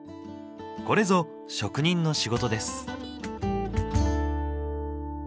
これぞ職人の仕事です。